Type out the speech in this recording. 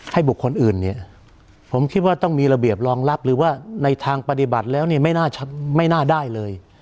บุคคลอื่นเนี่ยผมคิดว่าต้องมีระเบียบรองรับหรือว่าในทางปฏิบัติแล้วเนี่ยไม่น่าได้เลย